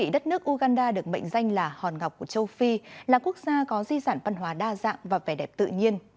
đất nước uganda được mệnh danh là hòn ngọc của châu phi là quốc gia có di sản văn hóa đa dạng và vẻ đẹp tự nhiên